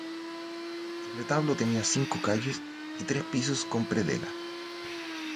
El retablo tenía cinco calles y tres pisos con predela.